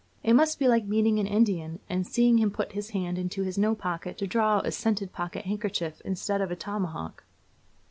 It must be like meeting an Indian and seeing him put his hand into his no pocket to draw out a scented pocket handkerchief, instead of a tomahawk.'